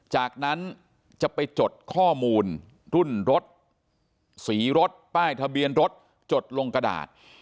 จากนั้นจะไปจดข้อมูลรุ่นรถสีรถป้ายทะเบียนรถจดลงกระดาษ